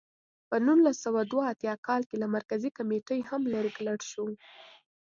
په نولس سوه دوه اتیا کال کې له مرکزي کمېټې هم لرې کړل شو.